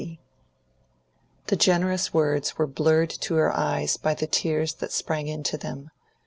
T. C. The generous words were blurred to her eyes by the tears that sprang into them.